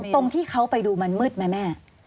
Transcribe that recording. ตรงที่เขาไปดูมันมืดไหมแม่